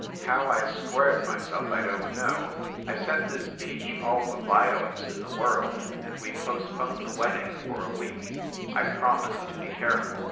How I squared myself I don t know. I sent Miss Peach all the violets in the world, and we postponed the wedding for a week. I promised to be careful.